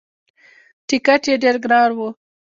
ټکت یې ډېر ګران وو.